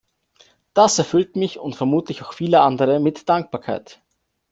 Das erfüllt mich, und vermutlich auch viele andere, mit Dankbarkeit.